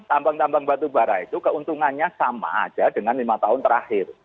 tambang tambang batubara itu keuntungannya sama aja dengan lima tahun terakhir